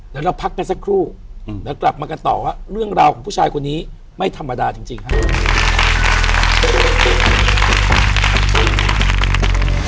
เดี๋ยวเราพักกันสักครู่เดี๋ยวกลับมากันต่อว่าเรื่องราวของผู้ชายคนนี้ไม่ธรรมดาจริงครับ